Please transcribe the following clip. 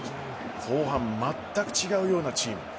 後半、まったく違うようなチーム。